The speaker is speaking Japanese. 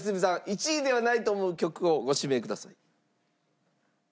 １位ではないと思う曲をご指名ください。